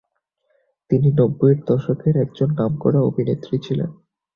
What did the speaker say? তিনি নব্বই এর দশকের একজন নামকরা অভিনেত্রী ছিলেন।